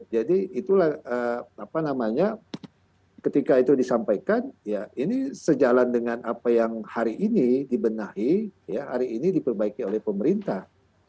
jadi ketika itu disampaikan ini sejalan dengan apa yang hari ini dibenahi hari ini diperbaiki oleh pemerintah